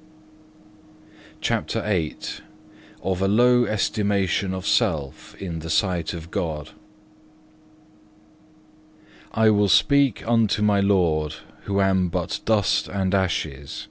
(1) Jeremiah x. 23. CHAPTER VIII Of a low estimation of self in the sight of God I will speak unto my Lord who am but dust and ashes.